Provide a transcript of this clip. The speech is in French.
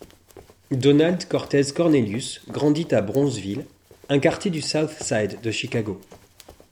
Donald Cortez Cornelius grandit à Bronzeville, un quartier du South Side de Chicago.